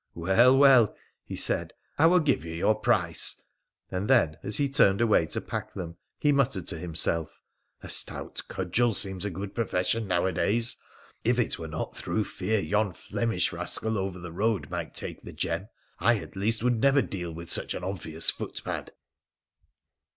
' Well, well,' he said, ' I will give you your price,' and then, as he turned away to pack them, he muttered to himself, ' A stout cudgel seems a good profession nowadays ! If it were not through fear yon Flemish rascal over the road might take the gem, I at least would never deal with such an obvious footpad.'